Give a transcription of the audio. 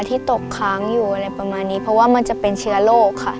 ที่ตกค้างอยู่อะไรประมาณนี้เพราะว่ามันจะเป็นเชื้อโรคค่ะ